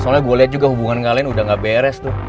soalnya gue liat juga hubungan kalian udah gak beres tuh